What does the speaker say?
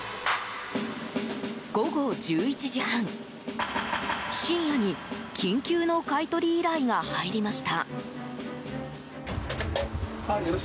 午後１１時半、深夜に緊急の買取依頼が入りました。